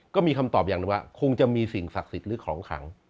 ก็มีคำตอบอย่างหนึ่งว่าคงจะมีสิ่งศักดิ์สิทธิ์หรือของขัง